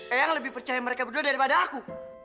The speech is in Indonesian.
eyang lebih percaya mereka berdua daripada aku